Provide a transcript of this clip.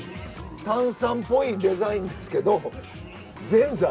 炭酸っぽいデザインですけどぜんざい。